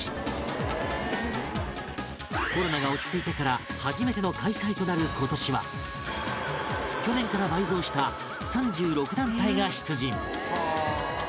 コロナが落ち着いてから初めての開催となる今年は去年から倍増した３６団体が出陣